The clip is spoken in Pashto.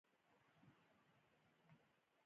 هر څیز ښکلا لري لیکن ټول خلک یې نه شي لیدلی.